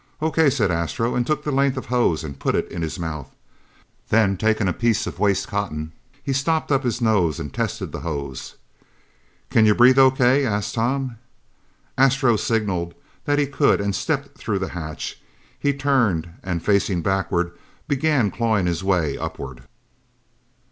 "O.K.," said Astro and took the length of hose and put it in his mouth. Then, taking a piece of waste cotton, he stopped up his nose and tested the hose. "Can you breathe O.K.?" asked Tom. Astro signaled that he could and stepped through the hatch. He turned, and facing backward, began clawing his way upward.